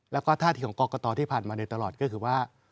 แล้วก็ท่าทีของกรกตที่ผ่านมาโดยตลอดก็คือว่า